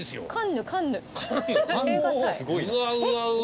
うわうわうわ！